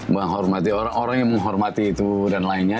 menghormati orang orang yang menghormati itu dan lainnya